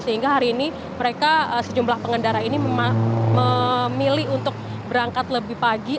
sehingga hari ini mereka sejumlah pengendara ini memilih untuk berangkat lebih pagi